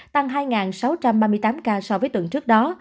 tăng hai sáu trăm ba mươi tám ca so với tuần trước đó